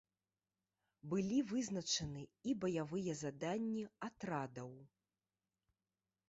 Былі вызначаны і баявыя заданні атрадаў.